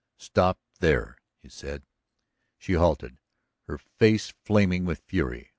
"Stop there," he said. She halted, her face flaming with fury.